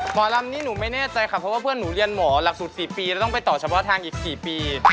หมอลำนี้หนูไม่แน่ใจค่ะเพราะว่าเพื่อนหนูเรียนหมอหลักสูตร๔ปีแล้วต้องไปต่อเฉพาะทางอีกกี่ปี